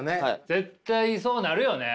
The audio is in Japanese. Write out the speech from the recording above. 絶対そうなるよね！